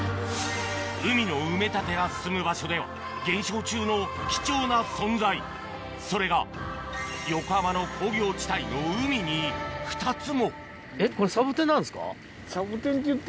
海の埋め立てが進む場所では減少中の貴重な存在それが横浜の工業地帯の海に２つもえっこれ。